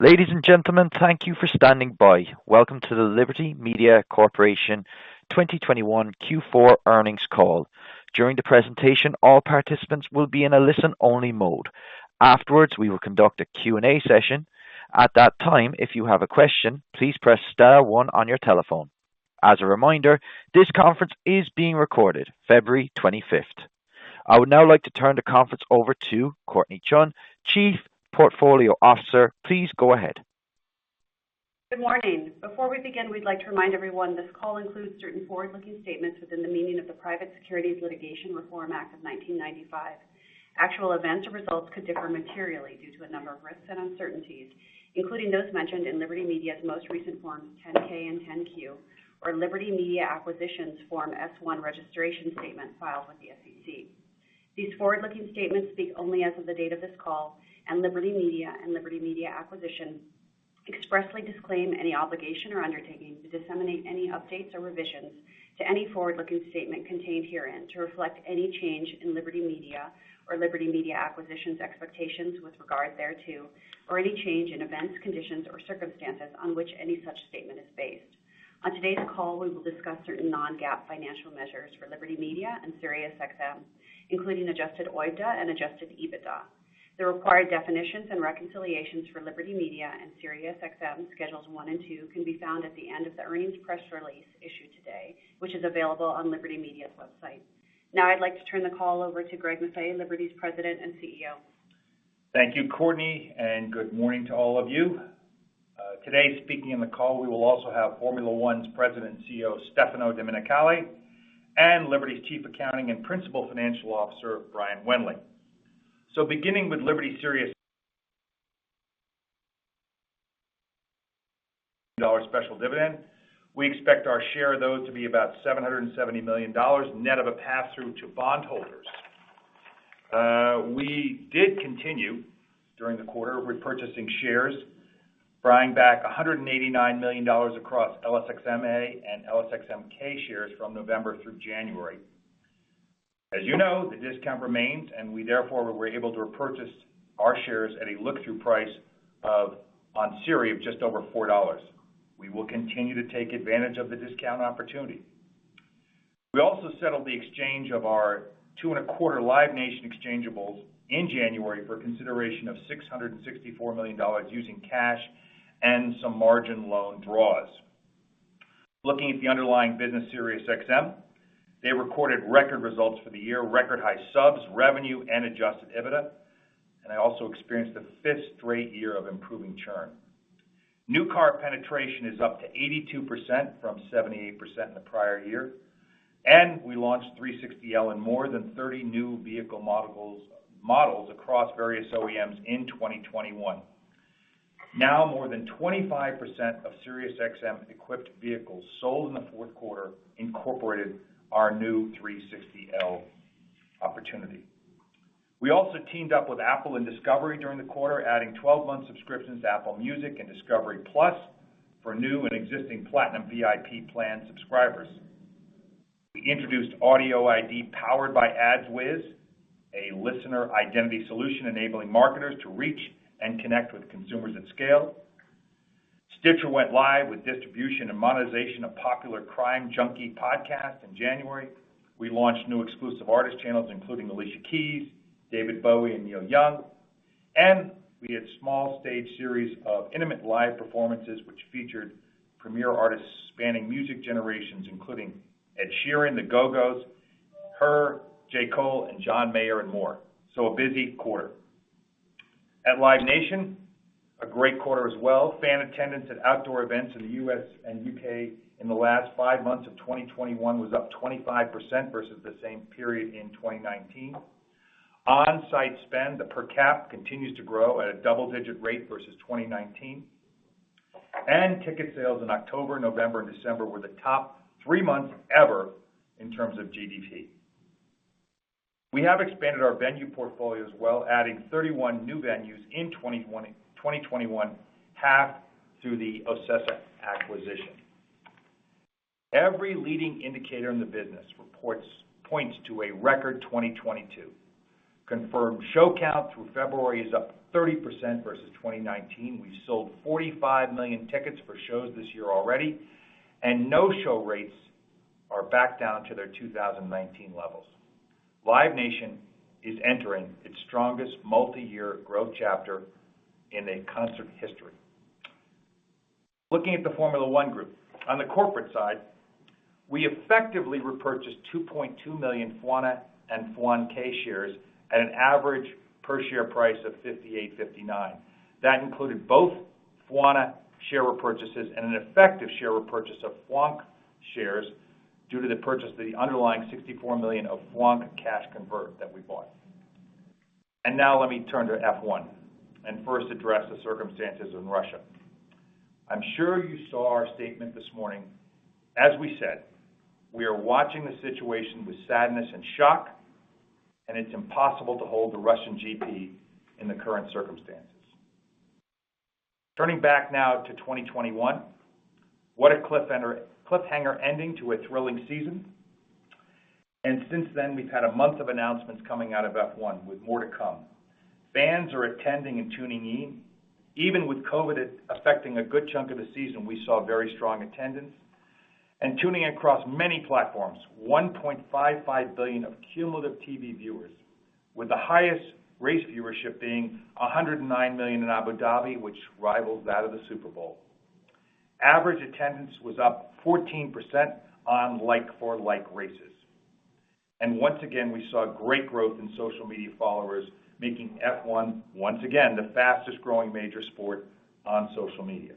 Ladies and gentlemen, thank you for standing by. Welcome to the Liberty Media Corporation 2021 Q4 earnings call. During the presentation, all participants will be in a listen-only mode. Afterwards, we will conduct a Q&A session. At that time, if you have a question, please press star one on your telephone. As a reminder, this conference is being recorded February 25. I would now like to turn the conference over to Courtnee Chun, Chief Portfolio Officer. Please go ahead. Good morning. Before we begin, we'd like to remind everyone this call includes certain forward-looking statements within the meaning of the Private Securities Litigation Reform Act of 1995. Actual events or results could differ materially due to a number of risks and uncertainties, including those mentioned in Liberty Media's most recent Forms 10-K and 10-Q, or Liberty Media Acquisition Corporation's Form S-1 registration statement filed with the SEC. These forward-looking statements speak only as of the date of this call, and Liberty Media and Liberty Media Acquisition Corporation expressly disclaim any obligation or undertaking to disseminate any updates or revisions to any forward-looking statement contained herein to reflect any change in Liberty Media or Liberty Media Acquisition Corporation expectations with regard thereto, or any change in events, conditions, or circumstances on which any such statement is based. On today's call, we will discuss certain non-GAAP financial measures for Liberty Media and Sirius XM, including adjusted OIBDA and adjusted EBITDA. The required definitions and reconciliations for Liberty Media and Sirius XM Schedules one and two can be found at the end of the earnings press release issued today, which is available on Liberty Media's website. Now, I'd like to turn the call over to Greg Maffei, Liberty's President and CEO. Thank you, Courtnee, and good morning to all of you. Today, speaking in the call, we will also have Formula One's President and CEO, Stefano Domenicali, and Liberty's Chief Accounting and Principal Financial Officer, Brian Wendling. Beginning with Liberty SiriusXM special dividend. We expect our share of those to be about $770 million net of a pass-through to bondholders. We did continue during the quarter repurchasing shares, buying back $189 million across LSXMA and LSXMK shares from November through January. As you know, the discount remains, and we therefore were able to repurchase our shares at a look-through price of, on Sirius, of just over $4. We will continue to take advantage of the discount opportunity. We also settled the exchange of our 2.25 Live Nation exchangeables in January for consideration of $664 million using cash and some margin loan draws. Looking at the underlying business, Sirius XM, they recorded record results for the year, record high subs, revenue, and adjusted EBITDA, and they also experienced the fifth straight year of improving churn. New car penetration is up to 82% from 78% in the prior year, and we launched 360L in more than 30 new vehicle models across various OEMs in 2021. Now, more than 25% of Sirius XM equipped vehicles sold in the fQ4 incorporated our new 360L opportunity. We also teamed up with Apple and Discovery during the quarter, adding 12-month subscriptions to Apple Music and discovery+ for new and existing platinum VIP plan subscribers. We introduced AudioID powered by AdsWizz, a listener identity solution enabling marketers to reach and connect with consumers at scale. Stitcher went live with distribution and monetization of popular Crime Junkie podcast in January. We launched new exclusive artist channels including Alicia Keys, David Bowie, and Neil Young. We had small stage series of intimate live performances, which featured premier artists spanning music generations including Ed Sheeran, The Go-Go's, H.E.R., J. Cole, and John Mayer, and more. A busy quarter. At Live Nation, a great quarter as well. Fan attendance at outdoor events in the U.S. and U.K. in the last five months of 2021 was up 25% versus the same period in 2019. On-site spend, the per cap continues to grow at a double-digit rate versus 2019. Ticket sales in October, November, and December were the top three months ever in terms of GTV. We have expanded our venue portfolio as well, adding 31 new venues in 2021, half through the OCESA acquisition. Every leading indicator in the business reports points to a record 2022. Confirmed show count through February is up 30% versus 2019. We've sold 45 million tickets for shows this year already, and no-show rates are back down to their 2019 levels. Live Nation is entering its strongest multi-year growth chapter in its concert history. Looking at the Formula One Group. On the corporate side, we effectively repurchased 2.2 million FWONA and FWONK shares at an average per share price of $58-$59. That included both FWONA share repurchases and an effective share repurchase of FWONK shares due to the purchase of the underlying 64 million of FWONK cash convertible that we bought. Now let me turn to F1 and first address the circumstances in Russia. I'm sure you saw our statement this morning. As we said, we are watching the situation with sadness and shock, and it's impossible to hold the Russian GP in the current circumstances. Turning back now to 2021. What a cliffhanger ending to a thrilling season. Since then, we've had a month of announcements coming out of F1 with more to come. Fans are attending and tuning in. Even with COVID affecting a good chunk of the season, we saw very strong attendance and tuning across many platforms. 1.55 billion cumulative TV viewers, with the highest race viewership being 109 million in Abu Dhabi, which rivals that of the Super Bowl. Average attendance was up 14% on like-for-like races. Once again, we saw great growth in social media followers, making F1 once again the fastest growing major sport on social media.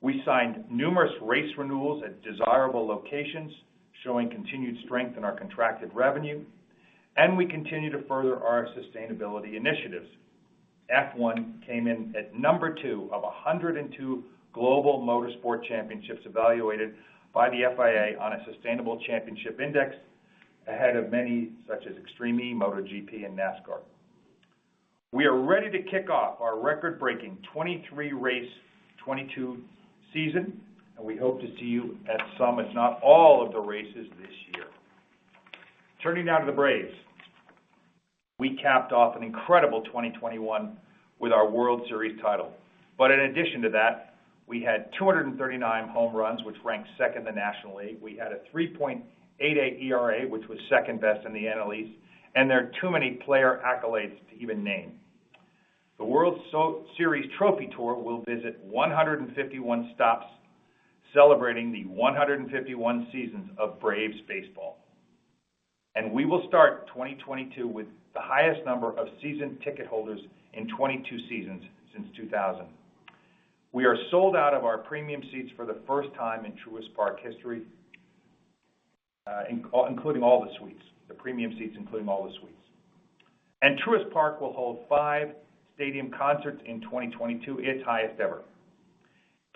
We signed numerous race renewals at desirable locations, showing continued strength in our contracted revenue, and we continue to further our sustainability initiatives. F1 came in at number two of 102 global motorsport championships evaluated by the FIA on a sustainable championship index, ahead of many, such as Extreme E, MotoGP and NASCAR. We are ready to kick off our record-breaking 23-race 22 season, and we hope to see you at some, if not all, of the races this year. Turning now to the Braves. We capped off an incredible 2021 with our World Series title. In addition to that, we had 239 home runs, which ranked second in the National League. We had a 3.88 ERA, which was second best in the NL East, and there are too many player accolades to even name. The World Series Trophy Tour will visit 151 stops celebrating the 151 seasons of Braves baseball. We will start 2022 with the highest number of season ticket holders in 22 seasons since 2000. We are sold out of our premium seats for the first time in Truist Park history, including all the suites. Truist Park will hold five stadium concerts in 2022, its highest ever.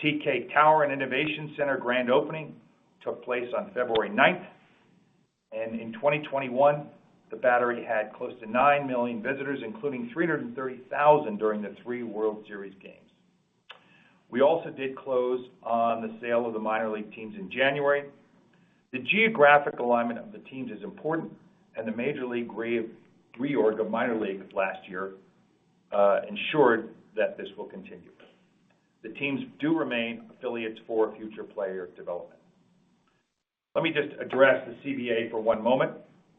TK Tower and Innovation Center grand opening took place on February 9. In 2021, the Battery had close to nine million visitors, including 330,000 during the three World Series games. We also did close on the sale of the minor league teams in January. The geographic alignment of the teams is important, and the Major League reorg of minor leagues last year ensured that this will continue. The teams do remain affiliates for future player development. Let me just address the CBA for one moment.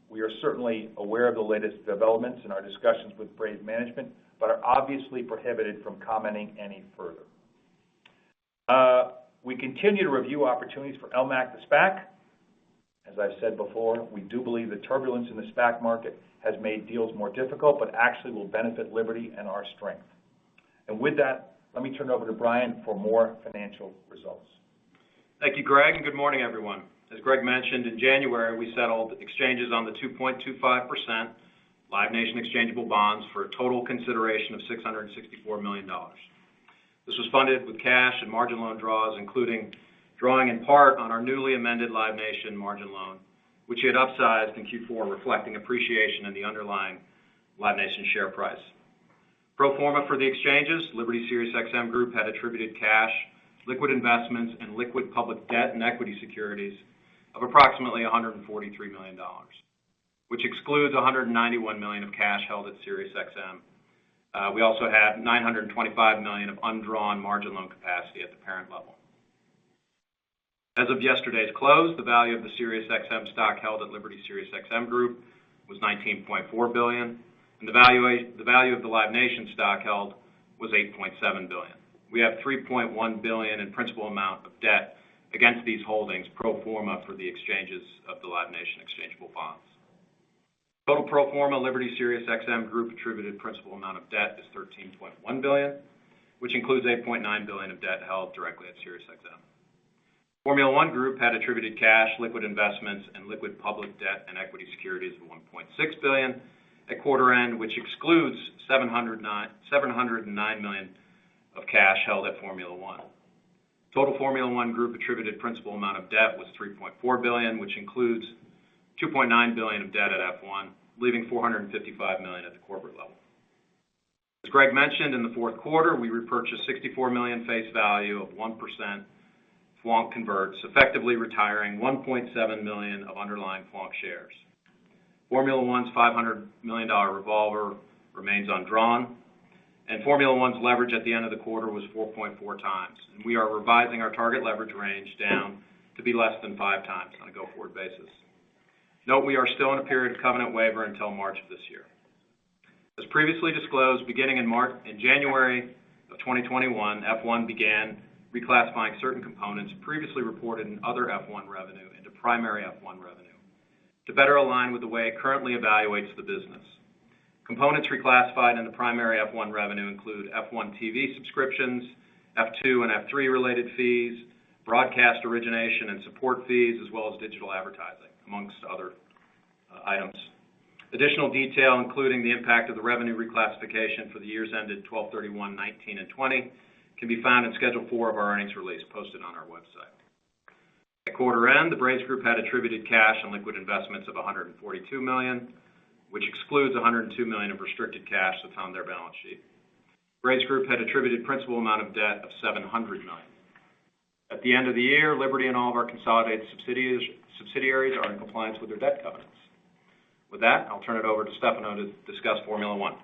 We are certainly aware of the latest developments in our discussions with Braves management, but are obviously prohibited from commenting any further. We continue to review opportunities for LMAC, the SPAC. As I've said before, we do believe the turbulence in the SPAC market has made deals more difficult but actually will benefit Liberty and our strength. With that, let me turn it over to Brian for more financial results. Thank you, Greg, and good morning, everyone. As Greg mentioned, in January, we settled exchanges on the 2.25% Live Nation exchangeable bonds for a total consideration of $664 million. This was funded with cash and margin loan draws, including drawing in part on our newly amended Live Nation margin loan, which he had upsized in Q4 reflecting appreciation in the underlying Live Nation share price. Pro forma for the exchanges, Liberty SiriusXM Group had attributed cash, liquid investments, and liquid public debt and equity securities of approximately $143 million, which excludes $191 million of cash held at SiriusXM. We also have $925 million of undrawn margin loan capacity at the parent level. As of yesterday's close, the value of the Sirius XM stock held at Liberty SiriusXM Group was $19.4 billion, and the value of the Live Nation stock held was $8.7 billion. We have $3.1 billion in principal amount of debt against these holdings pro forma for the exchanges of the Live Nation exchangeable bonds. Total pro forma Liberty SiriusXM Group attributed principal amount of debt is $13.1 billion, which includes $8.9 billion of debt held directly at Sirius XM. Formula One Group had attributed cash, liquid investments, and liquid public debt and equity securities of $1.6 billion at quarter end, which excludes $709 million of cash held at Formula One. Total Formula One Group attributed principal amount of debt was $3.4 billion, which includes $2.9 billion of debt at F1, leaving $455 million at the corporate level. As Greg mentioned, in the Q4, we repurchased $64 million face value of 1% FWONK converts, effectively retiring 1.7 million of underlying FWONK shares. Formula One's $500 million revolver remains undrawn, and Formula One's leverage at the end of the quarter was 4.4x. We are revising our target leverage range down to be less than 5x on a go-forward basis. Note we are still in a period covenant waiver until March of this year. As previously disclosed, beginning in January of 2021, F1 began reclassifying certain components previously reported in other F1 revenue into primary F1 revenue to better align with the way it currently evaluates the business. Components reclassified in the primary F1 revenue include F1 TV subscriptions, F2 and F3 related fees, broadcast origination and support fees, as well as digital advertising, among other items. Additional detail, including the impact of the revenue reclassification for the years ended December 31, 2019, and 2020, can be found in Schedule Four of our earnings release posted on our website. At quarter end, the Braves Group had attributed cash and liquid investments of $142 million, which excludes $102 million of restricted cash that's on their balance sheet. Braves Group had attributed principal amount of debt of $700 million. At the end of the year, Liberty and all of our consolidated subsidiaries are in compliance with their debt covenants. With that, I'll turn it over to Stefano to discuss Formula One.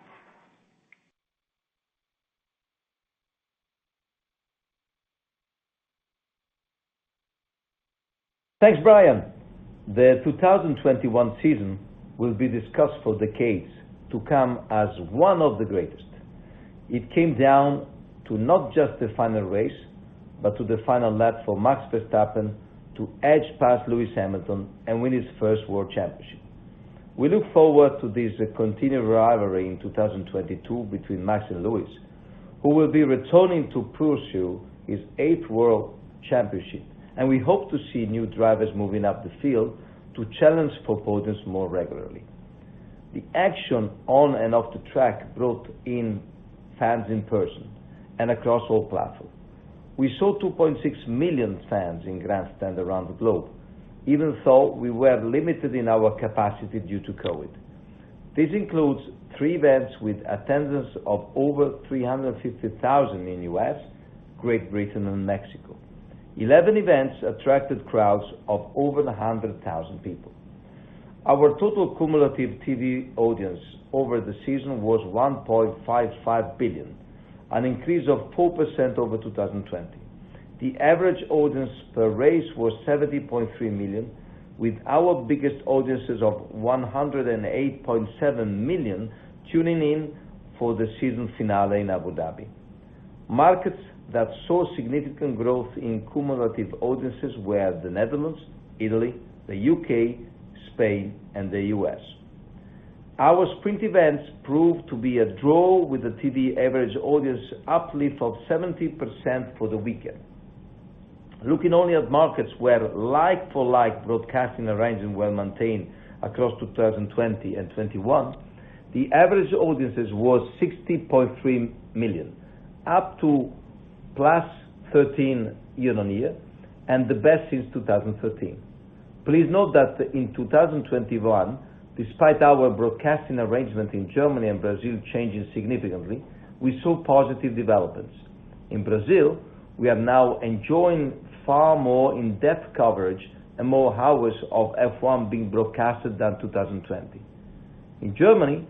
Thanks, Brian. The 2021 season will be discussed for decades to come as one of the greatest. It came down to not just the final race, but to the final lap for Max Verstappen to edge past Lewis Hamilton and win his first World Championship. We look forward to this continued rivalry in 2022 between Max and Lewis, who will be returning to pursue his Eighth World Championship, and we hope to see new drivers moving up the field to challenge for podiums more regularly. The action on and off the track brought in fans in person and across all platforms. We saw 2.6 million fans in grandstands around the globe. Even so, we were limited in our capacity due to COVID. This includes three events with attendance of over 350,000 in U.S., Great Britain and Mexico. 11 events attracted crowds of over 100,000 people. Our total cumulative TV audience over the season was 1.55 billion, an increase of 4% over 2020. The average audience per race was 70.3 million, with our biggest audiences of 108.7 million tuning in for the season finale in Abu Dhabi. Markets that saw significant growth in cumulative audiences were the Netherlands, Italy, the U.K., Spain, and the U.S. Our sprint events proved to be a draw, with the TV average audience uplift of 70% for the weekend. Looking only at markets where like-for-like broadcasting arrangements were maintained across 2020 and 2021, the average audience was 60.3 million, up +13% year-on-year and the best since 2013. Please note that in 2021, despite our broadcasting arrangement in Germany and Brazil changing significantly, we saw positive developments. In Brazil, we are now enjoying far more in-depth coverage and more hours of F1 being broadcasted than 2020. In Germany,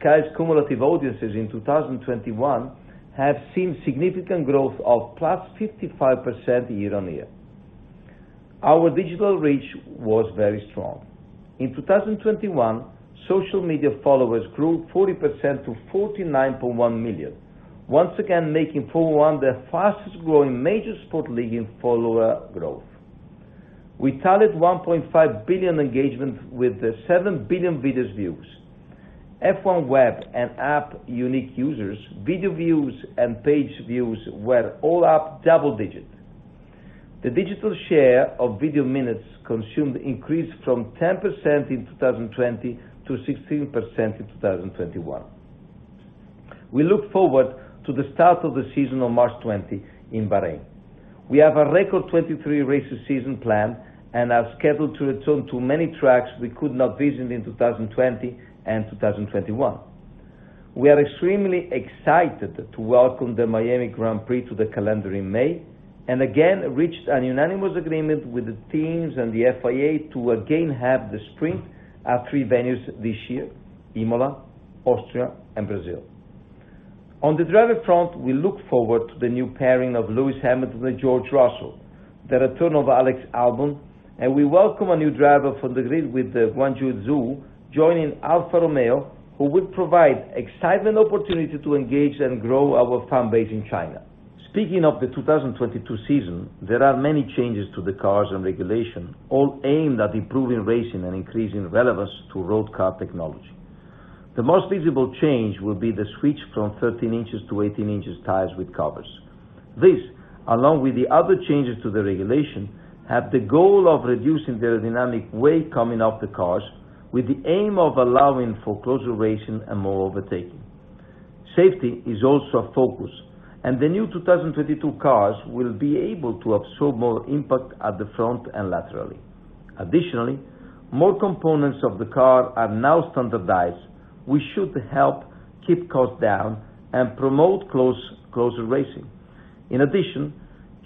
Sky's cumulative audiences in 2021 have seen significant growth of +55% year-on-year. Our digital reach was very strong. In 2021, social media followers grew 40% to 49.1 million, once again making Formula One the fastest growing major sport league in follower growth. We tallied 1.5 billion engagement with the seven billion video views. F1 web and app unique users, video views and page views were all up double-digit. The digital share of video minutes consumed increased from 10% in 2020 to 16% in 2021. We look forward to the start of the season on March 20 in Bahrain. We have a record 23-races season plan and are scheduled to return to many tracks we could not visit in 2020 and 2021. We are extremely excited to welcome the Miami Grand Prix to the calendar in May, and again, reached a unanimous agreement with the teams and the FIA to again have the sprint at three venues this year, Imola, Austria, and Brazil. On the driver front, we look forward to the new pairing of Lewis Hamilton and George Russell, the return of Alex Albon, and we welcome a new driver for the grid with Guanyu Zhou joining Alfa Romeo, who will provide exciting opportunity to engage and grow our fan base in China. Speaking of the 2022 season, there are many changes to the cars and regulations, all aimed at improving racing and increasing relevance to road car technology. The most visible change will be the switch from 13 inches to 18 inches tires with covers. This, along with the other changes to the regulations, have the goal of reducing the aerodynamic weight coming off the cars with the aim of allowing for closer racing and more overtaking. Safety is also a focus, and the new 2022 cars will be able to absorb more impact at the front and laterally. Additionally, more components of the car are now standardized, which should help keep costs down and promote close, closer racing. In addition,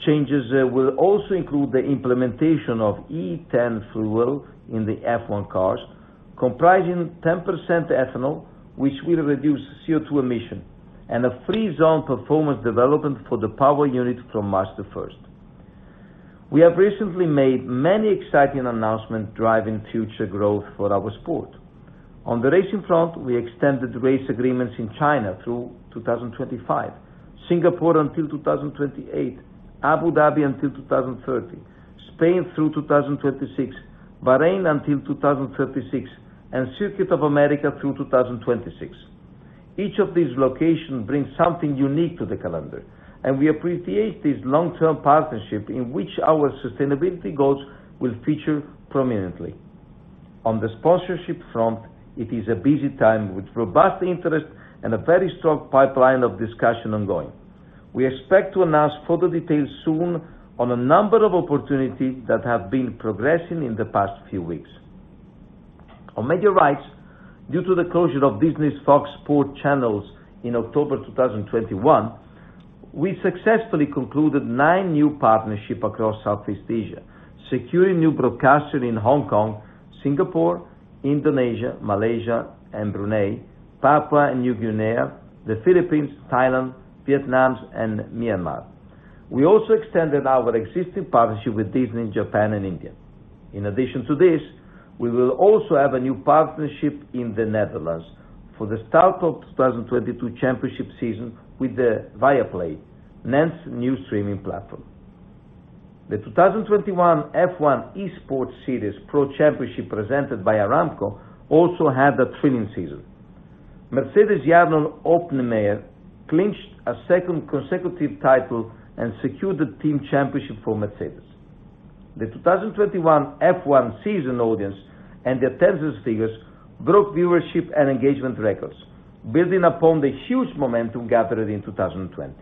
changes will also include the implementation of E10 fuel in the F1 cars, comprising 10% ethanol, which will reduce CO2 emission and a freeze on performance development for the power unit from March 1. We have recently made many exciting announcements driving future growth for our sport. On the racing front, we extended race agreements in China through 2025, Singapore until 2028, Abu Dhabi until 2030, Spain through 2026, Bahrain until 2036, and Circuit of the Americas through 2026. Each of these locations brings something unique to the calendar, and we appreciate this long-term partnership in which our sustainability goals will feature prominently. On the sponsorship front, it is a busy time with robust interest and a very strong pipeline of discussion ongoing. We expect to announce further details soon on a number of opportunities that have been progressing in the past few weeks. On media rights, due to the closure of Fox Sports channels in October 2021, we successfully concluded nine new partnerships across Southeast Asia, securing new broadcasting in Hong Kong, Singapore, Indonesia, Malaysia and Brunei, Papua New Guinea, the Philippines, Thailand, Vietnam and Myanmar. We also extended our existing partnership with Disney in Japan and India. In addition to this, we will also have a new partnership in the Netherlands for the start of 2022 championship season with the Viaplay, NENT new streaming platform. The 2021 F1 Esports Series Pro Championship presented by Aramco also had a thrilling season. Mercedes Jarno Opmeer clinched a second consecutive title and secured the team championship for Mercedes. The 2021 F1 season audience and attendance figures broke viewership and engagement records, building upon the huge momentum gathered in 2020.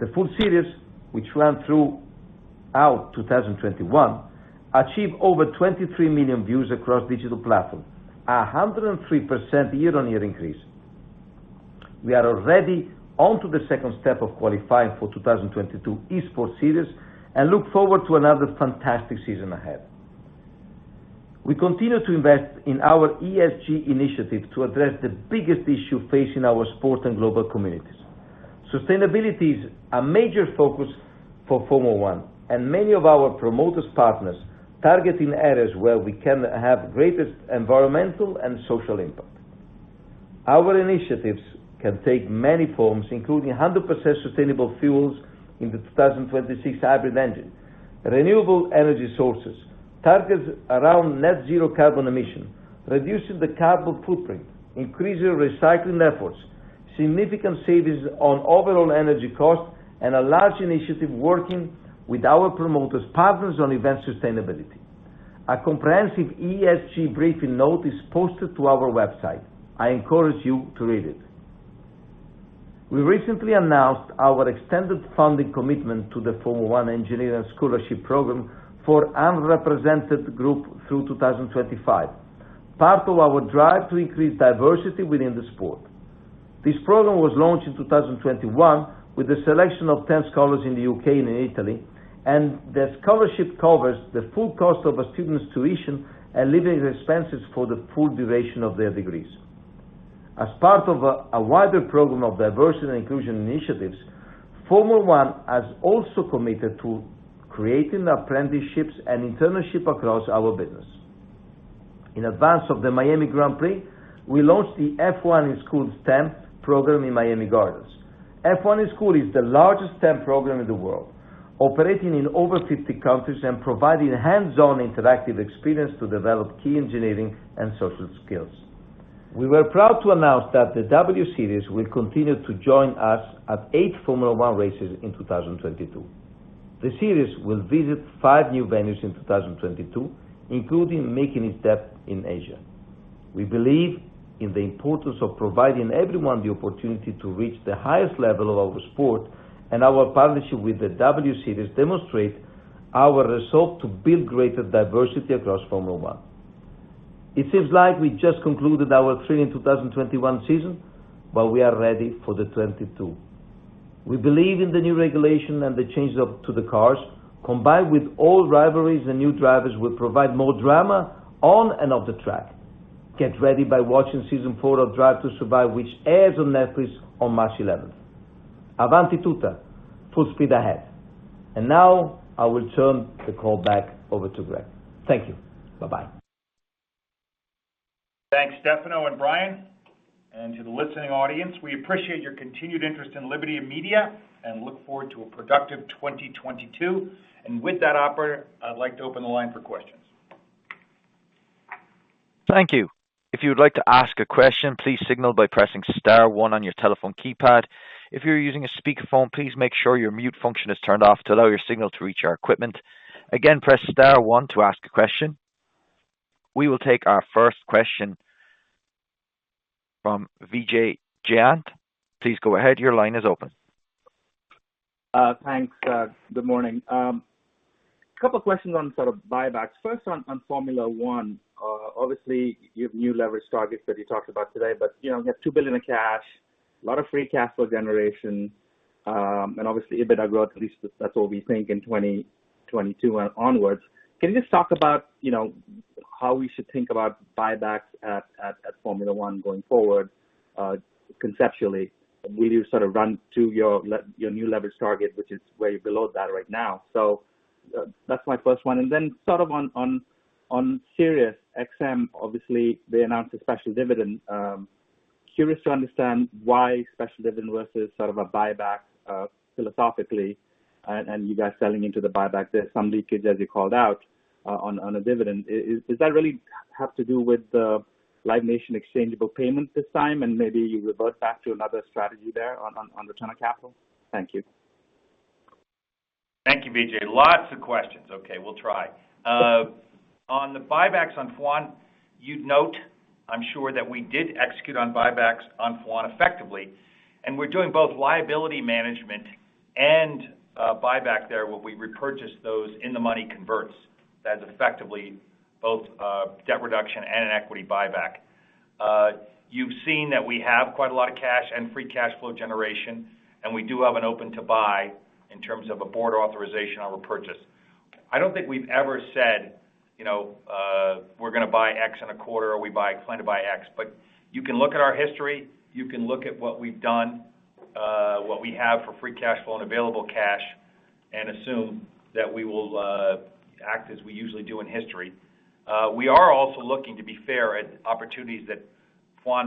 The full series, which ran throughout 2021, achieved over 23 million views across digital platforms, 103% year-on-year increase. We are already onto the second step of qualifying for 2022 Esports Series and look forward to another fantastic season ahead. We continue to invest in our ESG initiative to address the biggest issue facing our sport and global communities. Sustainability is a major focus for Formula One, and many of our promoter partners targeting areas where we can have greatest environmental and social impact. Our initiatives can take many forms, including 100% sustainable fuels in the 2026 hybrid engine, renewable energy sources, targets around net zero carbon emission, reducing the carbon footprint, increasing recycling efforts, significant savings on overall energy costs, and a large initiative working with our promoter partners on event sustainability. A comprehensive ESG briefing note is posted to our website. I encourage you to read it. We recently announced our extended funding commitment to the Formula One Engineering Scholarship Program for underrepresented group through 2025, part of our drive to increase diversity within the sport. This program was launched in 2021 with the selection of 10 scholars in the U.K. and in Italy, and the scholarship covers the full cost of a student's tuition and living expenses for the full duration of their degrees. As part of a wider program of diversity and inclusion initiatives, Formula One has also committed to creating apprenticeships and internship across our business. In advance of the Miami Grand Prix, we launched the F1 in Schools STEM program in Miami Gardens. F1 in Schools is the largest STEM program in the world, operating in over 50 countries and providing hands-on interactive experience to develop key engineering and social skills. We were proud to announce that the W Series will continue to join us at eight Formula One races in 2022. The series will visit five new venues in 2022, including making a step in Asia. We believe in the importance of providing everyone the opportunity to reach the highest level of our sport, and our partnership with the W Series demonstrate our resolve to build greater diversity across Formula One. It seems like we just concluded our thrilling 2021 season, but we are ready for the 2022. We believe in the new regulation and the changes to the cars, combined with all rivalries and new drivers will provide more drama on and off the track. Get ready by watching season four of Drive to Survive, which airs on Netflix on March 11. Avanti tutta. Full speed ahead. Now I will turn the call back over to Greg. Thank you. Bye-bye. Thanks, Stefano and Brian. To the listening audience, we appreciate your continued interest in Liberty Media and look forward to a productive 2022. With that, operator, I'd like to open the line for questions. Thank you. If you would like to ask a question, please signal by pressing star one on your telephone keypad. If you're using a speakerphone, please make sure your mute function is turned off to allow your signal to reach our equipment. Again, press star one to ask a question. We will take our first question from Vijay Jayant. Please go ahead. Your line is open. Thanks. Good morning. A couple of questions on sort of buybacks. First, on Formula One. Obviously, you have new leverage targets that you talked about today, but you know, you have $2 billion in cash, a lot of free cash flow generation, and obviously EBITDA growth, at least that's what we think in 2022 onwards. Can you just talk about, you know, how we should think about buybacks at Formula One going forward, conceptually? Will you sort of run to your new leverage target, which is way below that right now? That's my first one. Then sort of on Sirius XM, obviously, they announced a special dividend. Curious to understand why special dividend versus sort of a buyback, philosophically, and you guys selling into the buyback. There's some leakage, as you called out, on a dividend. Does that really have to do with the Live Nation exchangeable payments this time? Maybe you revert back to another strategy there on the ton of capital. Thank you. Thank you, Vijay. Lots of questions. Okay, we'll try. On the buybacks on Formula One, you'd note, I'm sure that we did execute on buybacks on Formula One effectively, and we're doing both liability management and a buyback there where we repurchase those in the money converts. That's effectively both, debt reduction and an equity buyback. You've seen that we have quite a lot of cash and free cash flow generation, and we do have an open to buy in terms of a board authorization on repurchase. I don't think we've ever said, you know, we're gonna buy X in a quarter or plan to buy X. You can look at our history, you can look at what we've done, what we have for free cash flow and available cash, and assume that we will act as we usually do in history. We are also looking to be fair at opportunities that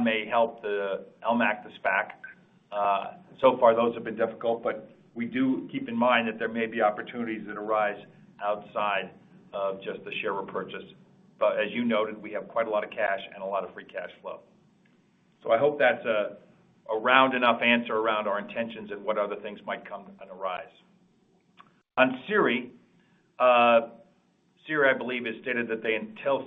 may help the LMAC, the SPAC. So far those have been difficult, but we do keep in mind that there may be opportunities that arise outside of just the share repurchase. As you noted, we have quite a lot of cash and a lot of free cash flow. I hope that's a round enough answer around our intentions and what other things might come and arise. On Sirius, I believe Sirius has stated that they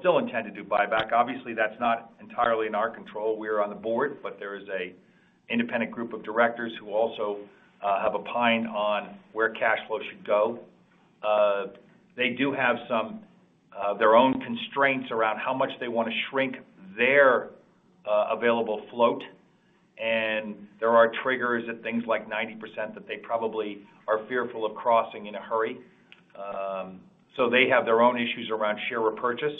still intend to do buyback. Obviously, that's not entirely in our control. We are on the board, but there is an independent group of directors who also have a say in where cash flow should go. They do have some of their own constraints around how much they wanna shrink their available float. There are triggers at things like 90% that they probably are fearful of crossing in a hurry. They have their own issues around share repurchase.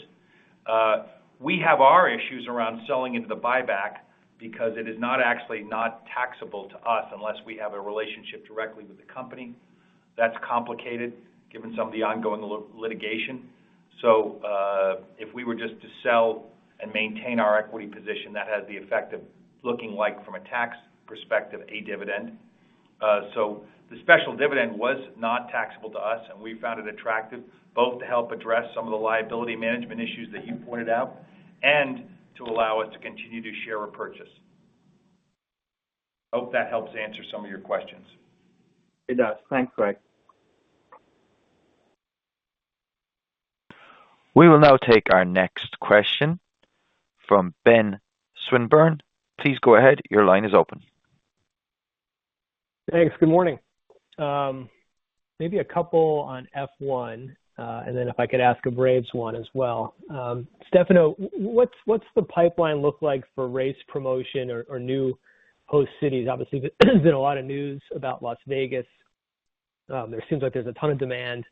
We have our issues around selling into the buyback because it is not actually not taxable to us unless we have a relationship directly with the company. That's complicated given some of the ongoing litigation. If we were just to sell and maintain our equity position, that has the effect of looking like, from a tax perspective, a dividend. The special dividend was not taxable to us, and we found it attractive both to help address some of the liability management issues that you pointed out and to allow it to continue to share repurchase. Hope that helps answer some of your questions. It does. Thanks, Greg. We will now take our next question from Ben Swinburne. Please go ahead. Your line is open. Thanks. Good morning. Maybe a couple on F1, and then if I could ask a Braves one as well. Stefano, what's the pipeline look like for race promotion or new host cities? Obviously, there has been a lot of news about Las Vegas. There seems like there's a ton of demand.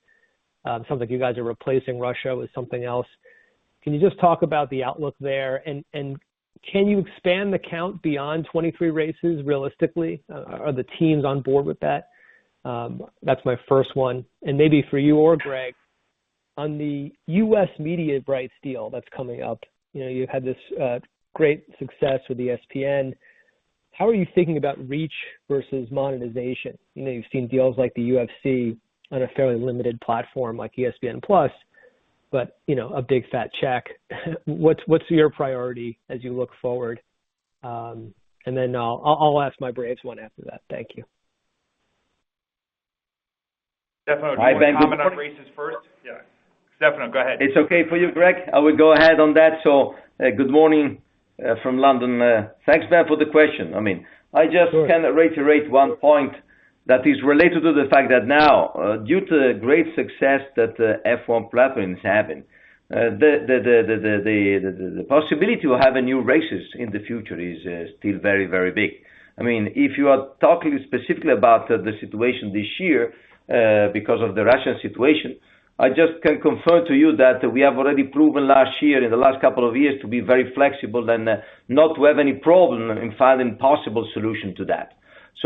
Sounds like you guys are replacing Russia with something else. Can you just talk about the outlook there? Can you expand the count beyond 23 races realistically? Are the teams on board with that? That's my first one. Maybe for you or Greg, on the U.S. media rights deal that's coming up, you know, you had this great success with ESPN. How are you thinking about reach versus monetization? You know, you've seen deals like the UFC on a fairly limited platform like ESPN Plus, but, you know, a big fat check. What's your priority as you look forward? And then I'll ask my Braves one after that. Thank you. Stefano, do you wanna comment on races first? Hi, Ben. Yeah. Stefano, go ahead. It's okay for you, Greg? I will go ahead on that. Good morning from London. Thanks, Ben, for the question. I mean, I just- Sure Kind of reiterate one point that is related to the fact that now, due to the great success that F1 platform is having, the possibility to have new races in the future is still very, very big. I mean, if you are talking specifically about the situation this year, because of the Russian situation, I just can confirm to you that we have already proven last year and the last couple of years to be very flexible and not to have any problem in finding possible solution to that.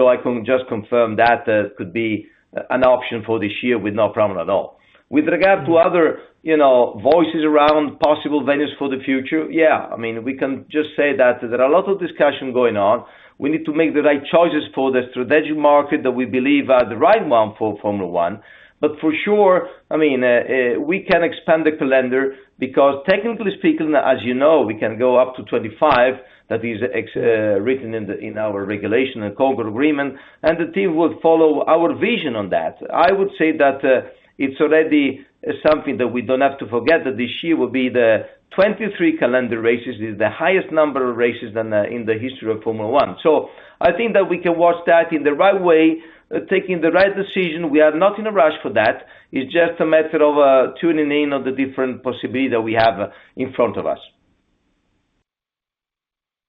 I can just confirm that could be an option for this year with no problem at all. With regard to other, you know, voices around possible venues for the future, yeah, I mean, we can just say that there are a lot of discussion going on. We need to make the right choices for the strategic market that we believe are the right one for Formula 1. For sure, I mean, we can expand the calendar because technically speaking, as you know, we can go up to 25. That is written in our regulation and Concorde Agreement, and the team would follow our vision on that. I would say that, it's already, something that we don't have to forget, that this year will be the 23 calendar races is the highest number of races than, in the history of Formula 1. I think that we can watch that in the right way, taking the right decision. We are not in a rush for that. It's just a method of tuning in on the different possibility that we have in front of us.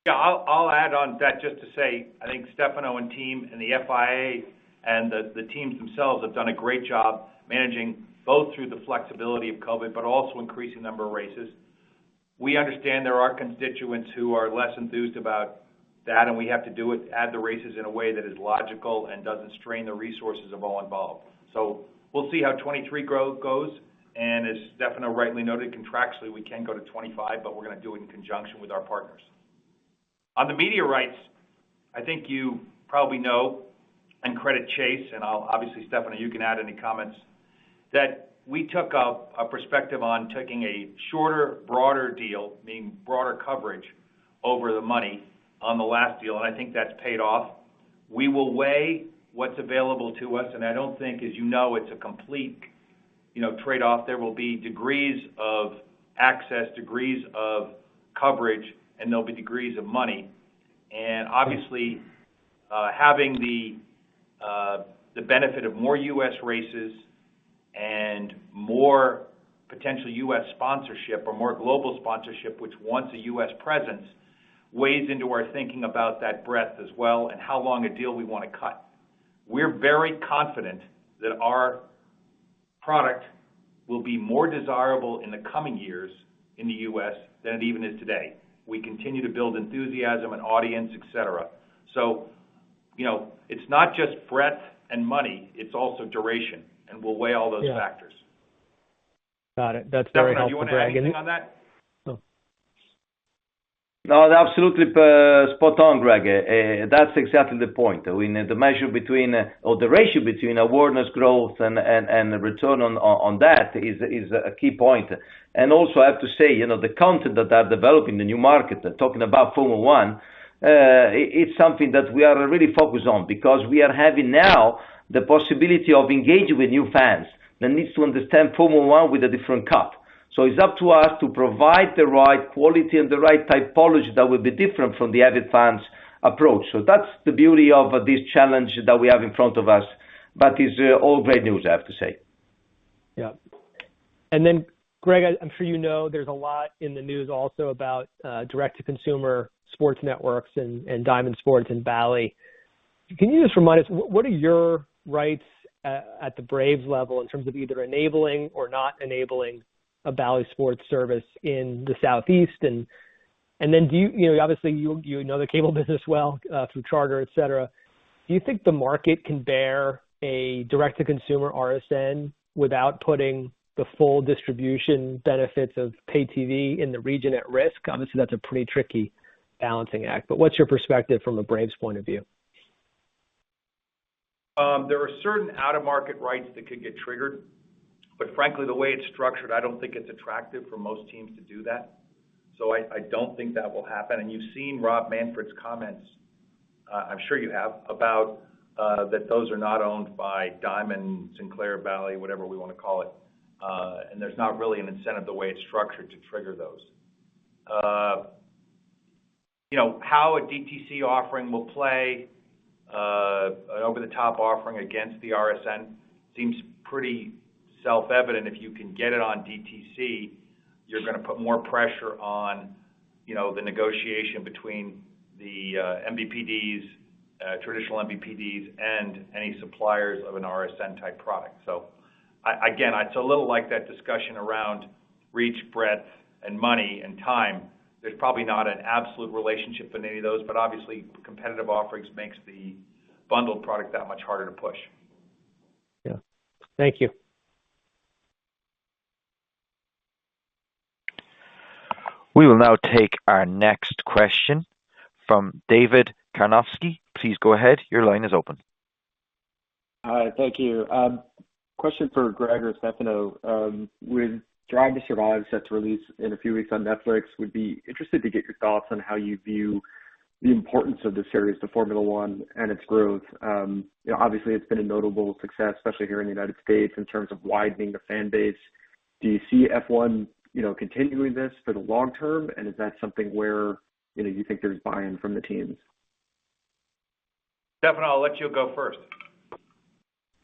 Yeah, I'll add on that just to say, I think Stefano and team and the FIA and the teams themselves have done a great job managing both through the flexibility of COVID, but also increasing number of races. We understand there are constituents who are less enthused about that, and we have to do it, add the races in a way that is logical and doesn't strain the resources of all involved. We'll see how 2023 goes. As Stefano rightly noted, contractually, we can go to 25, but we're gonna do it in conjunction with our partners. On the media rights, I think you probably know and credit Chase, and I'll. Obviously, Stefano, you can add any comments that we took a perspective on taking a shorter, broader deal, meaning broader coverage over the money on the last deal, and I think that's paid off. We will weigh what's available to us, and I don't think, as you know, it's a complete, you know, trade off, there will be degrees of access, degrees of coverage, and there'll be degrees of money. Obviously, having the benefit of more U.S. races and more potential U.S. sponsorship or more global sponsorship, which wants a U.S. presence, weighs into our thinking about that breadth as well and how long a deal we wanna cut. We're very confident that our product will be more desirable in the coming years in the U.S. than it even is today. We continue to build enthusiasm and audience, etc. You know, it's not just breadth and money, it's also duration, and we'll weigh all those factors. Yeah. Got it. That's very helpful, Greg. Stefano, you wanna add anything on that? No. No, absolutely, spot on, Greg. That's exactly the point. We need the ratio between awareness growth and return on that is a key point. Also, I have to say, you know, the content that we're developing in the new market, talking about Formula One, it's something that we are really focused on because we are having now the possibility of engaging with new fans that need to understand Formula One with a different cut. It's up to us to provide the right quality and the right type policy that will be different from the avid fans' approach. That's the beauty of this challenge that we have in front of us. It's all great news, I have to say. Yeah. Then, Greg, I'm sure you know there's a lot in the news also about direct-to-consumer sports networks and Diamond Sports and Bally. Can you just remind us what are your rights at the Braves level in terms of either enabling or not enabling a Bally sports service in the Southeast? Then do you. You know, obviously, you know the cable business well through Charter, etc. Do you think the market can bear a direct-to-consumer RSN without putting the full distribution benefits of pay TV in the region at risk? Obviously, that's a pretty tricky balancing act, but what's your perspective from a Braves point of view? There are certain out-of-market rights that could get triggered, but frankly, the way it's structured, I don't think it's attractive for most teams to do that. I don't think that will happen. You've seen Rob Manfred's comments, I'm sure you have, about that those are not owned by Diamond, Sinclair, Bally, whatever we wanna call it. There's not really an incentive the way it's structured to trigger those. You know, how a DTC offering will play, over the top offering against the RSN seems pretty self-evident. If you can get it on DTC, you're gonna put more pressure on, you know, the negotiation between the MVPDs, traditional MVPDs and any suppliers of an RSN type product. Again, it's a little like that discussion around reach, breadth and money and time. There's probably not an absolute relationship in any of those, but obviously, competitive offerings makes the bundled product that much harder to push. Yeah. Thank you. We will now take our next question from David Karnovsky. Please go ahead. Your line is open. Hi. Thank you. Question for Greg or Stefano. With Drive to Survive set to release in a few weeks on Netflix, would be interested to get your thoughts on how you view the importance of the series to Formula One and its growth. You know, obviously it's been a notable success, especially here in the United States, in terms of widening the fan base. Do you see F1, you know, continuing this for the long term? Is that something where, you know, you think there's buy-in from the teams? Stefano, I'll let you go first.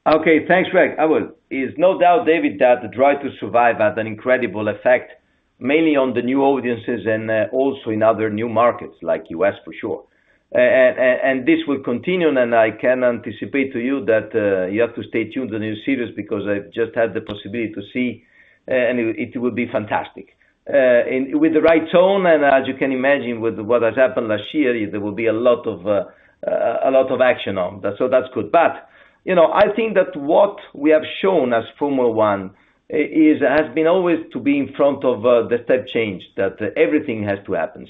Okay. Thanks, Greg. I will. It's no doubt, David, that the Drive to Survive has an incredible effect, mainly on the new audiences and also in other new markets like U.S., for sure. And this will continue, and I can anticipate to you that you have to stay tuned to the new series because I've just had the possibility to see, and it will be fantastic. And with the right tone, and as you can imagine with what has happened last year, there will be a lot of action on that, so that's good. You know, I think that what we have shown as Formula One is, has been always to be in front of the step change, that everything has to happen.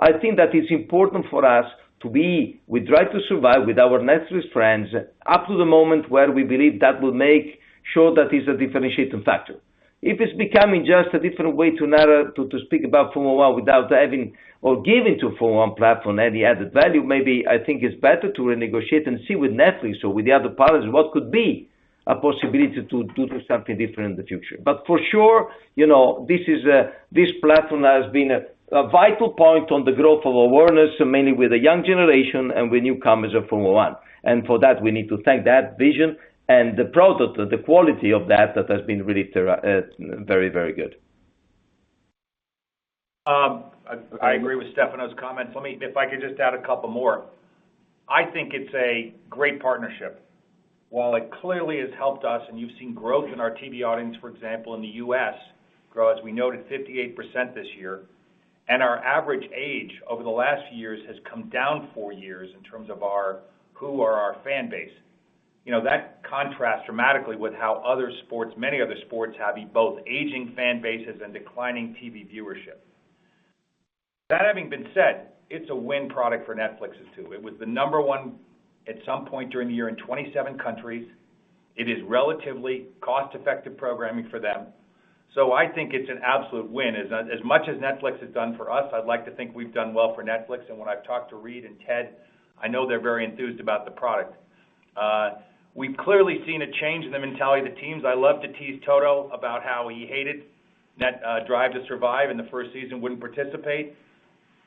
I think that it's important for us to be with Drive to Survive, with our Netflix friends, up to the moment where we believe that will make sure that it's a differentiating factor. If it's becoming just a different way to speak about Formula One without having or giving to Formula One platform any added value, maybe I think it's better to renegotiate and see with Netflix or with the other partners what could be a possibility to do something different in the future. For sure, you know, this platform has been a vital point on the growth of awareness, mainly with the young generation and with newcomers of Formula One. For that, we need to thank that vision and the product, the quality of that has been really very, very good. I agree with Stefano's comments. If I could just add a couple more. I think it's a great partnership. While it clearly has helped us, and you've seen growth in our TV audience, for example, in the U.S. grow, as we noted, 58% this year, and our average age over the last years has come down four years in terms of our fan base. You know, that contrasts dramatically with how other sports, many other sports, having both aging fan bases and declining TV viewership. That having been said, it's a win-win product for Netflix too. It was the number one at some point during the year in 27 countries. It is relatively cost-effective programming for them. So I think it's an absolute win. As much as Netflix has done for us, I'd like to think we've done well for Netflix. When I've talked to Reed and Ted, I know they're very enthused about the product. We've clearly seen a change in the mentality of the teams. I love to tease Toto about how he hated Drive to Survive in the first season, wouldn't participate.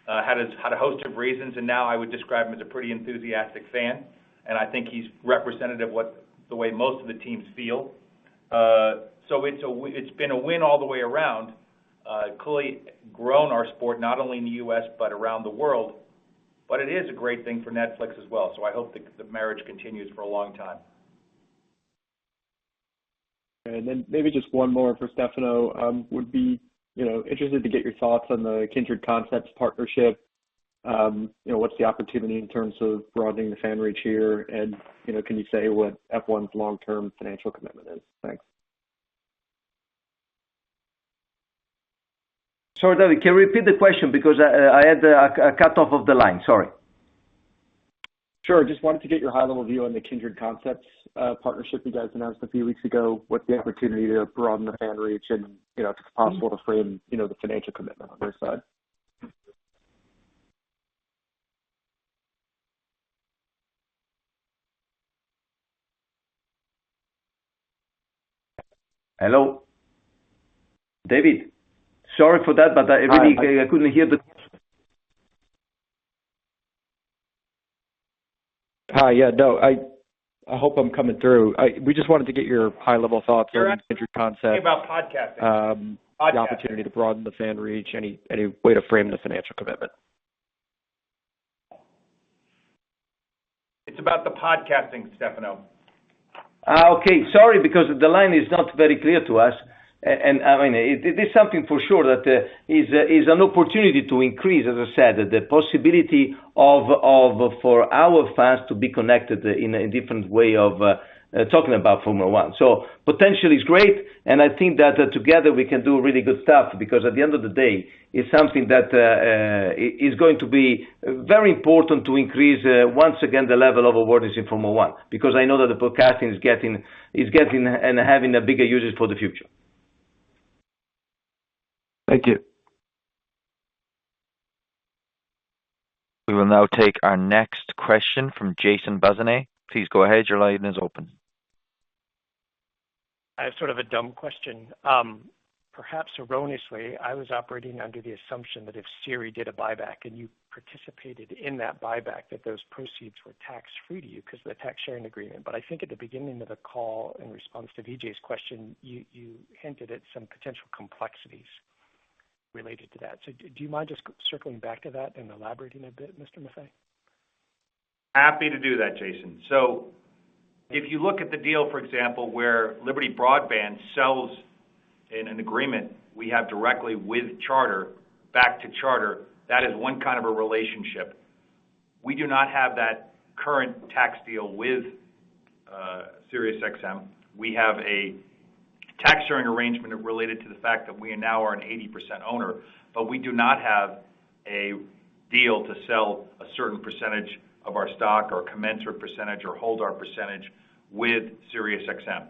Had a host of reasons, and now I would describe him as a pretty enthusiastic fan, and I think he's representative of the way most of the teams feel. It's been a win all the way around. Clearly grown our sport, not only in the U.S., but around the world, but it is a great thing for Netflix as well. I hope the marriage continues for a long time. Then maybe just one more for Stefano. Would be, you know, interested to get your thoughts on the Kindred Concepts partnership. You know, what's the opportunity in terms of broadening the fan reach here? You know, can you say what F1's long-term financial commitment is? Thanks. Sorry, David, can you repeat the question? Because I had a cut off of the line. Sorry. Sure. Just wanted to get your high-level view on the Kindred Concepts partnership you guys announced a few weeks ago. What's the opportunity to broaden the fan reach? And, you know, if it's possible to frame, you know, the financial commitment on your side. Hello? David? Sorry for that, but I really couldn't hear. Hi. Yeah, no. I hope I'm coming through. We just wanted to get your high-level thoughts on- It's about podcasting. Podcasting Kindred Concepts, the opportunity to broaden the fan reach, any way to frame the financial commitment. It's about the podcasting, Stefano. Okay. Sorry, because the line is not very clear to us. I mean, it is something for sure that is an opportunity to increase, as I said, the possibility for our fans to be connected in a different way of talking about Formula One. Potentially it's great, and I think that together we can do really good stuff because at the end of the day, it's something that is going to be very important to increase once again, the level of awareness in Formula One, because I know that the podcasting is getting and having a bigger usage for the future. Thank you. We will now take our next question from Jason Bazinet. Please go ahead. Your line is open. I have sort of a dumb question. Perhaps erroneously, I was operating under the assumption that if Sirius did a buyback and you participated in that buyback, that those proceeds were tax-free to you because of the tax sharing agreement. I think at the beginning of the call, in response to Vijay's question, you hinted at some potential complexities related to that. Do you mind just circling back to that and elaborating a bit, Mr. Maffei? Happy to do that, Jason. If you look at the deal, for example, where Liberty Broadband sells in an agreement we have directly with Charter, back to Charter, that is one kind of a relationship. We do not have that current tax deal with Sirius XM. We have a tax sharing arrangement related to the fact that we now are an 80% owner, but we do not have a deal to sell a certain percentage of our stock or commence our percentage or hold our percentage with Sirius XM.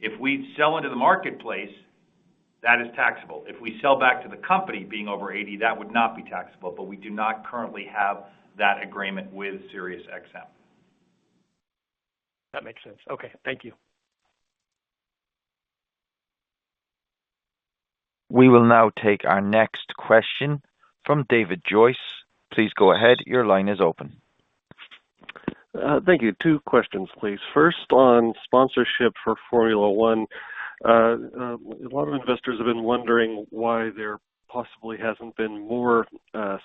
If we sell into the marketplace, that is taxable. If we sell back to the company being over 80, that would not be taxable, but we do not currently have that agreement with Sirius XM. That makes sense. Okay. Thank you. We will now take our next question from David Joyce. Please go ahead. Your line is open. Thank you. two questions, please. First, on sponsorship for Formula One. A lot of investors have been wondering why there possibly hasn't been more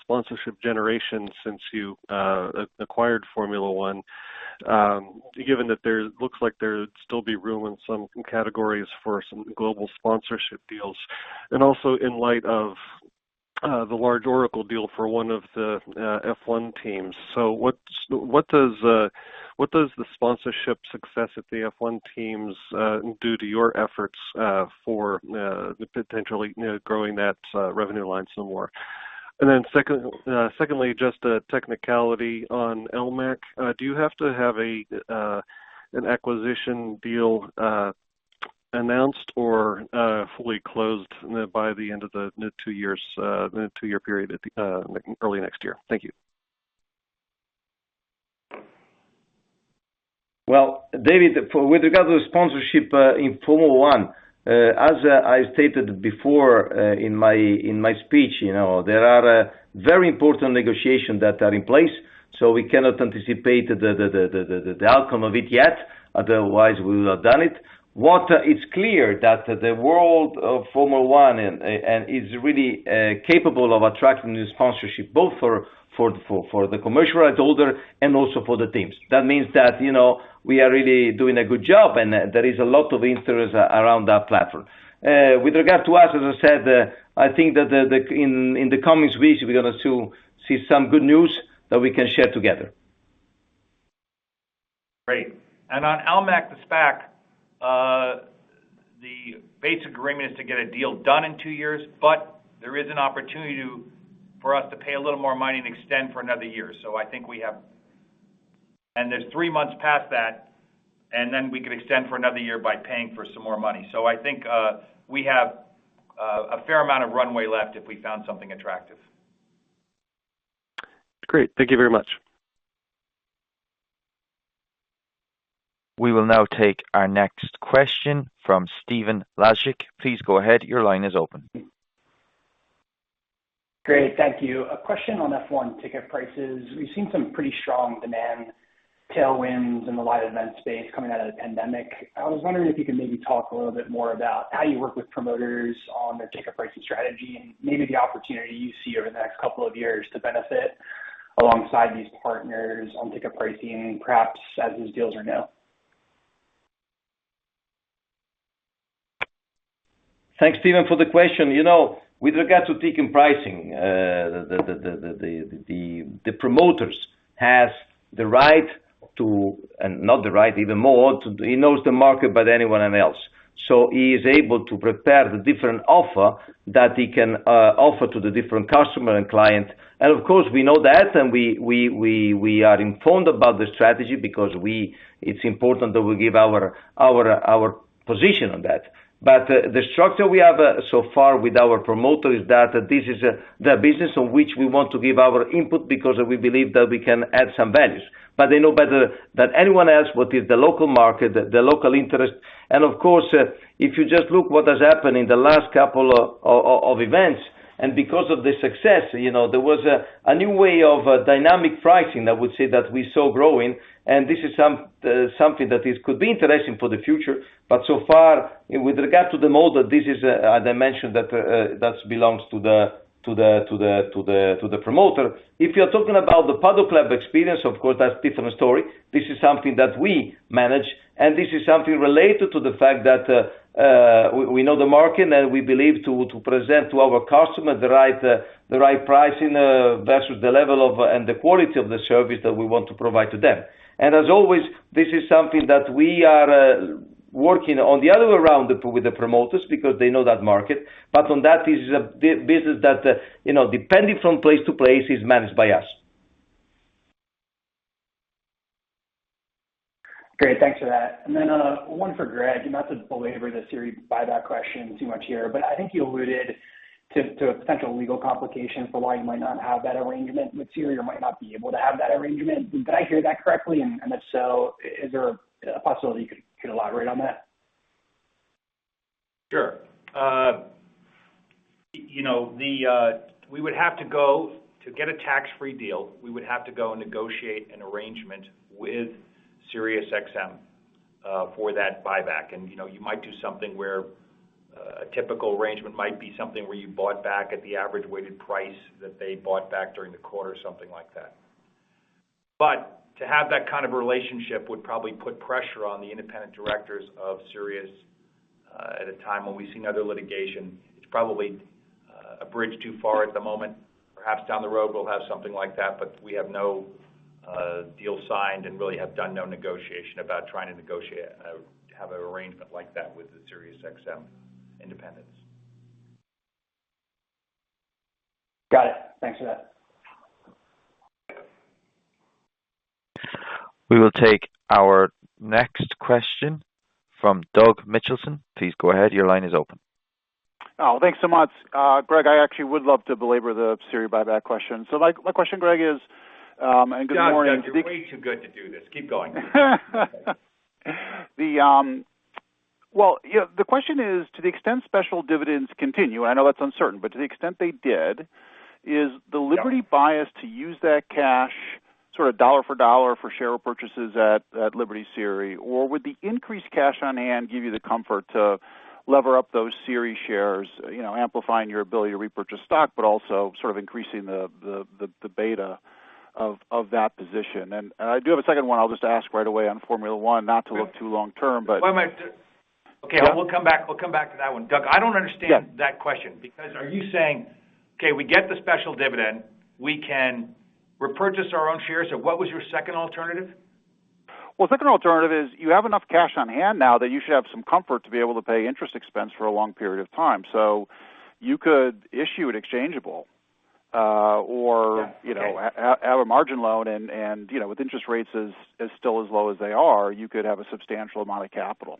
sponsorship generation since you acquired Formula One, given that there looks like there'd still be room in some categories for some global sponsorship deals, and also in light of the large Oracle deal for one of the F1 teams. So what does the sponsorship success of the F1 teams do to your efforts for potentially, you know, growing that revenue line some more? And then second, secondly, just a technicality on LMAC. Do you have to have an acquisition deal announced or fully closed by the end of the two-year period early next year? Thank you. Well, David, with regard to the sponsorship in Formula One, as I stated before in my speech, you know, there are very important negotiations that are in place, so we cannot anticipate the outcome of it yet. Otherwise, we would have done it. What is clear that the world of Formula One and is really capable of attracting new sponsorship, both for the commercial rights holder and also for the teams. That means that, you know, we are really doing a good job and there is a lot of interest around that platform. With regard to us, as I said, I think that in the coming weeks, we're going to see some good news that we can share together. Great. On LMAC, the SPAC, the basic agreement is to get a deal done in two years, but there is an opportunity for us to pay a little more money and extend for another year. I think we have three months past that, and then we could extend for another year by paying some more money. I think we have a fair amount of runway left if we found something attractive. Great. Thank you very much. We will now take our next question from Stephen Laszczyk. Please go ahead. Your line is open. Great. Thank you. A question on F1 ticket prices. We've seen some pretty strong demand tailwinds in the live event space coming out of the pandemic. I was wondering if you could maybe talk a little bit more about how you work with promoters on their ticket pricing strategy and maybe the opportunity you see over the next couple of years to benefit alongside these partners on ticket pricing, perhaps as these deals are now. Thanks, Steven, for the question. You know, with regards to ticket pricing, the promoter has the right to, and not the right, even more to. He knows the market better than anyone else. He is able to prepare the different offer that he can offer to the different customer and client. Of course, we know that, and we are informed about the strategy because it's important that we give our position on that. The structure we have so far with our promoter is that this is their business on which we want to give our input because we believe that we can add some values, but they know better than anyone else what is the local market, the local interest. Of course, if you just look what has happened in the last couple of events, and because of the success, you know, there was a new way of dynamic pricing, I would say that we saw growing, and this is something that could be interesting for the future. So far, with regard to the model, this is a dimension that belongs to the promoter. If you're talking about the Paddock Club experience, of course, that's different story. This is something that we manage, and this is something related to the fact that we know the market and we believe to present to our customer the right pricing versus the level and the quality of the service that we want to provide to them. As always, this is something that we are working on the other way around with the promoters because they know that market. On that, it is a business that, you know, depending from place to place, is managed by us. Great. Thanks for that. One for Greg. Not to belabor the SIRI buyback question too much here, but I think you alluded to a potential legal complication for why you might not have that arrangement with SIRI or might not be able to have that arrangement. Did I hear that correctly? If so, is there a possibility you could elaborate on that? Sure. You know, we would have to go to get a tax-free deal. We would have to go negotiate an arrangement with SiriusXM for that buyback. You know, you might do something where a typical arrangement might be something where you bought back at the average weighted price that they bought back during the quarter or something like that. To have that kind of relationship would probably put pressure on the independent directors of SiriusXM at a time when we've seen other litigation. It's probably a bridge too far at the moment. Perhaps down the road, we'll have something like that, but we have no deal signed and really have done no negotiation about trying to negotiate to have an arrangement like that with the SiriusXM independence. Got it. Thanks for that. We will take our next question from Doug Mitchelson. Please go ahead. Your line is open. Oh, thanks so much. Greg, I actually would love to belabor the SIRI buyback question. My question, Greg, is, and good morning- Doug, you're way too good to do this. Keep going. Well, yeah, the question is, to the extent special dividends continue, I know that's uncertain, but to the extent they did, is the Liberty bias to use that cash sort of dollar for dollar for share purchases at Liberty SiriusXM or would the increased cash on hand give you the comfort to lever up those SiriusXM shares, you know, amplifying your ability to repurchase stock, but also sort of increasing the beta of that position? I do have a second one I'll just ask right away on Formula One, not to look too long term, but- Wait, wait. Yeah. Okay. We'll come back to that one. Doug, I don't understand. Yeah I can't answer that question because, are you saying, "Okay, we get the special dividend, we can repurchase our own shares?" What was your second alternative? Well, second alternative is you have enough cash on hand now that you should have some comfort to be able to pay interest expense for a long period of time. You could issue an exchangeable, or- Yeah. Okay you know, have a margin loan and, you know, with interest rates as still as low as they are, you could have a substantial amount of capital.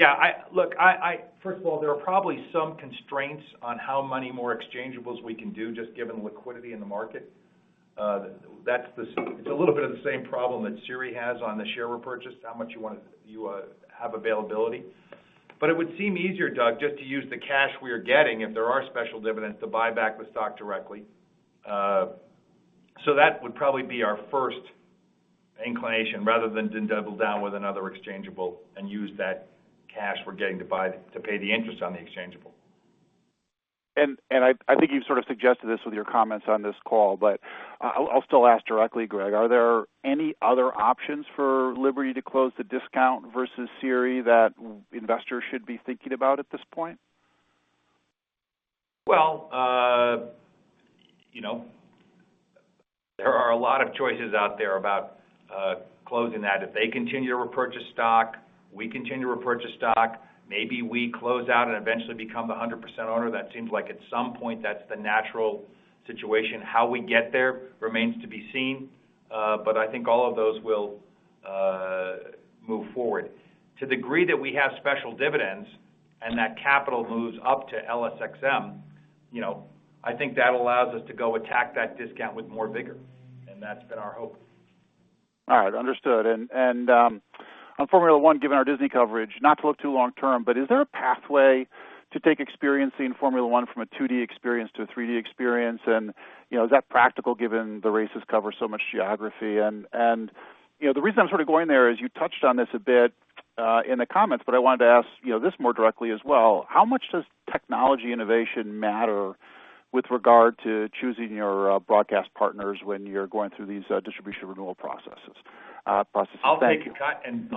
Yeah, look, first of all, there are probably some constraints on how many more exchangeables we can do just given liquidity in the market. It's a little bit of the same problem that Sirius has on the share repurchase, how much you wanna have availability. It would seem easier, Doug, just to use the cash we are getting if there are special dividends to buy back the stock directly. That would probably be our first inclination rather than to double down with another exchangeable and use that cash we're getting to pay the interest on the exchangeable. I think you've sort of suggested this with your comments on this call, but I'll still ask directly, Greg, are there any other options for Liberty to close the discount versus Sirius that investors should be thinking about at this point? Well, you know, there are a lot of choices out there about closing that. If they continue to repurchase stock, we continue to repurchase stock, maybe we close out and eventually become the 100% owner. That seems like at some point that's the natural situation. How we get there remains to be seen. I think all of those will move forward. To the degree that we have special dividends and that capital moves up to LSXM, you know, I think that allows us to go attack that discount with more vigor, and that's been our hope. All right. Understood. On Formula One, given our Disney coverage, not to look too long term, but is there a pathway to take experiencing Formula One from a 2D experience to a 3D experience? You know, is that practical given the races cover so much geography? You know, the reason I'm sort of going there is you touched on this a bit in the comments, but I wanted to ask this more directly as well. How much does technology innovation matter with regard to choosing your broadcast partners when you're going through these distribution renewal processes? Thank you. I'll take a cut and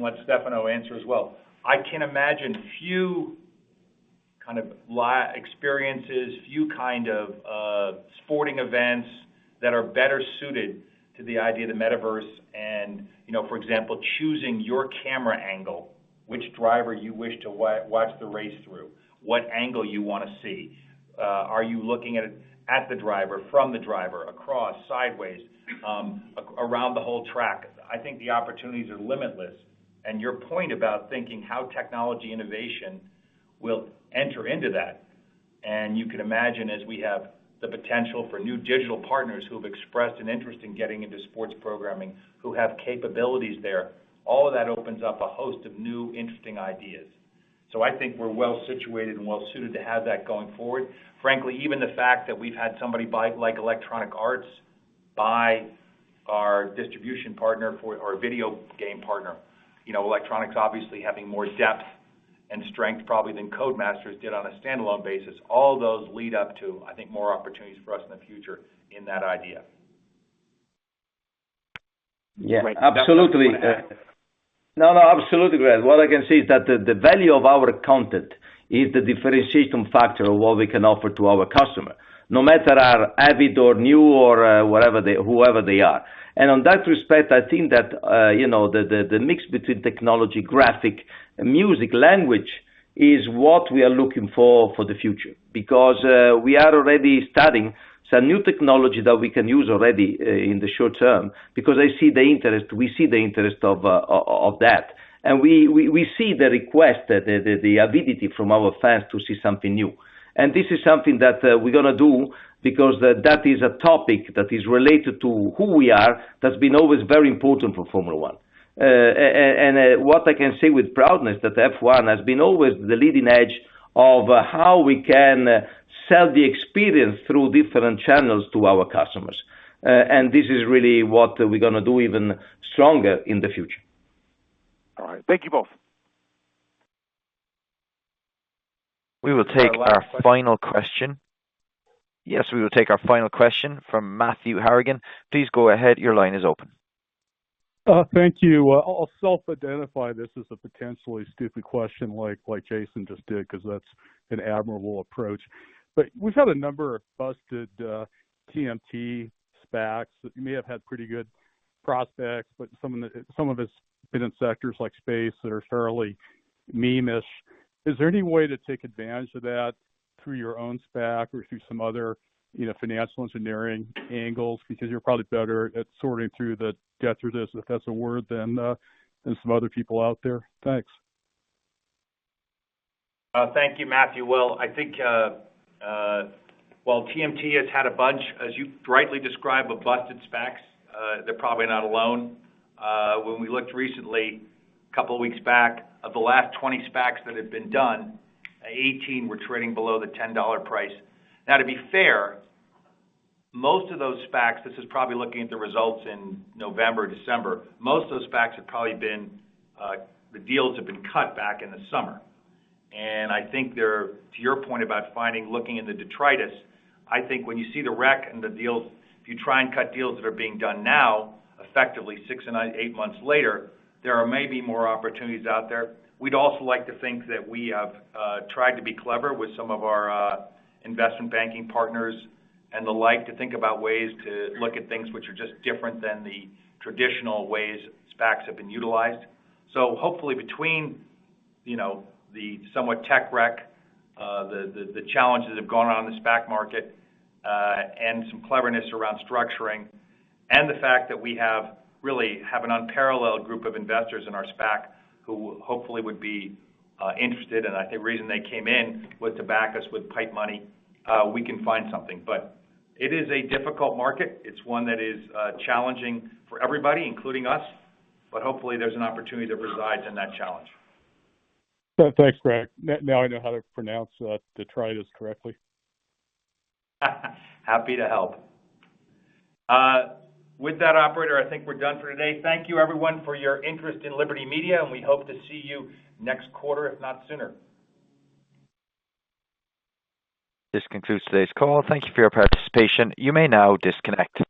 let Stefano answer as well. I can imagine few kind of experiences, few kind of sporting events that are better suited to the idea of the Metaverse and, you know, for example, choosing your camera angle, which driver you wish to watch the race through, what angle you wanna see. Are you looking at it at the driver, from the driver, across, sideways, around the whole track? I think the opportunities are limitless. Your point about thinking how technology innovation will enter into that, and you can imagine as we have the potential for new digital partners who have expressed an interest in getting into sports programming, who have capabilities there, all of that opens up a host of new, interesting ideas. I think we're well situated and well-suited to have that going forward. Frankly, even the fact that we've had somebody buy, like Electronic Arts, buy our distribution partner for our video game partner. You know, Electronic Arts obviously having more depth and strength probably than Codemasters did on a standalone basis. All those lead up to, I think, more opportunities for us in the future in that idea. Yeah. Absolutely. That's what I wanted to ask. No, no, absolutely, Greg. What I can say is that the value of our content is the differentiation factor of what we can offer to our customer, no matter are avid or new or whatever they, whoever they are. On that respect, I think that you know, the mix between technology, graphic, music, language, is what we are looking for the future. Because we are already studying some new technology that we can use already in the short term, because I see the interest, we see the interest of that. We see the request, the ability from our fans to see something new. This is something that we're gonna do because that is a topic that is related to who we are, that's been always very important for Formula One. What I can say with pride that F1 has been always the leading edge of how we can sell the experience through different channels to our customers. This is really what we're gonna do even stronger in the future. All right. Thank you both. We will take our final question. That's my last question. Yes, we will take our final question from Matthew Harrigan. Please go ahead. Your line is open. Thank you. I'll self-identify this as a potentially stupid question like Jason just did, 'cause that's an admirable approach. We've had a number of busted TMT SPACs that may have had pretty good prospects, but some of it's been in sectors like space that are fairly meme-ish. Is there any way to take advantage of that through your own SPAC or through some other, you know, financial engineering angles? Because you're probably better at sorting through the detritus, if that's a word, than some other people out there. Thanks. Thank you, Matthew. Well, I think, while TMT has had a bunch, as you rightly describe, of busted SPACs, they're probably not alone. When we looked recently, a couple of weeks back, of the last 20 SPACs that had been done, 18 were trading below the $10 price. Now, to be fair, most of those SPACs, this is probably looking at the results in November, December, most of those SPACs have probably been, the deals have been cut back in the summer. I think there, to your point about finding, looking in the detritus, I think when you see the wreck and the deals, if you try and cut deals that are being done now, effectively six and eight months later, there are maybe more opportunities out there. We'd also like to think that we have tried to be clever with some of our investment banking partners and the like, to think about ways to look at things which are just different than the traditional ways SPACs have been utilized. Hopefully between, you know, the somewhat tech wreck, the challenges that have gone on in the SPAC market, and some cleverness around structuring and the fact that we really have an unparalleled group of investors in our SPAC who hopefully would be interested, and I think the reason they came in was to back us with pipe money, we can find something. It is a difficult market. It's one that is challenging for everybody, including us, but hopefully there's an opportunity that resides in that challenge. Thanks, Greg. Now I know how to pronounce detritus correctly. Happy to help. With that, operator, I think we're done for today. Thank you everyone for your interest in Liberty Media, and we hope to see you next quarter, if not sooner. This concludes today's call. Thank you for your participation. You may now disconnect.